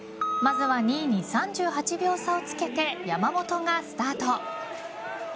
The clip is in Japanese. まずは２位に３８秒差をつけて山本がスタート。